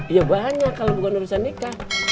ya banyak kalau bukan urusan nikah